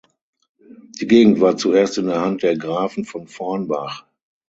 Die Gegend war zuerst in der Hand der Grafen von Vornbach.